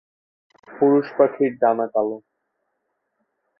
পুরুষ পাখির ডানা কালো।